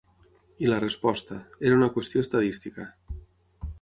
I la resposta: Era una qüestió estadística.